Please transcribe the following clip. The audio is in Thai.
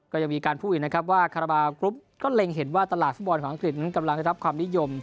ก็ยังมีการพูดอีกนะครับว่าคาราบาลกรุ๊ปก็เล็งเห็นว่าตลาดฟุตบอลของอังกฤษนั้นกำลังได้รับความนิยม